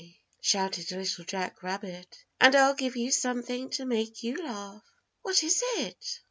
'" shouted Little Jack Rabbit, "and I'll give you something to make you laugh." "What is it?"